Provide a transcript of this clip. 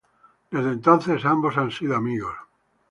Desde entonces ambos han sido amigos.